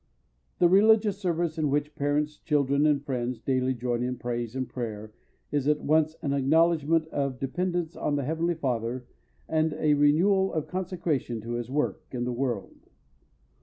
The religious service in which parents, children, and friends daily join in praise and prayer is at once an acknowledgment of dependence on the Heavenly Father and a renewal of consecration to his work in the world.